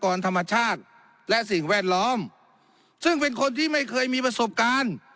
ธรรมชาติและสิ่งแวดล้อมซึ่งเป็นคนที่ไม่เคยมีประสบการณ์